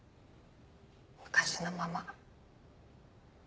昔のまま。